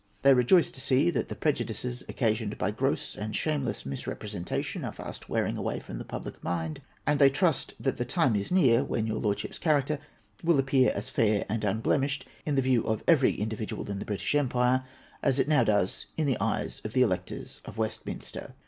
They rejoice to see that the prejudices occasioned by gross and shameless misrepresentation are fast wearing away from the public mind ; and they trust that the time is near when 3^our Lordship's character will appear as fair and unblem ished in the view of every individual in the British empire, as it now does in the eyes of the electors of Westminster.